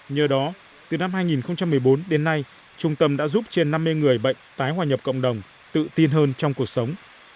nhờ đó từ năm hai nghìn một mươi bốn đến nay trung tâm đã giúp trên năm mươi người bệnh tái hòa nhập cộng đồng tự tin hơn trong cuộc sống